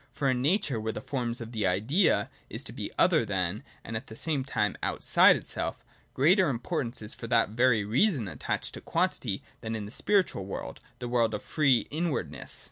For in Nature, where the form of the Idea is to be other than, and at the same time out side, itself, greater importance is for that very reason attached to quantity than in the spiritual world, the world of free in wardness.